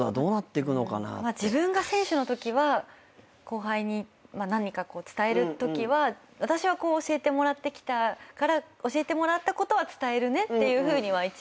自分が選手のときは後輩に何か伝えるときは私はこう教えてもらってきたから教えてもらったことは伝えるねっていうふうには一応。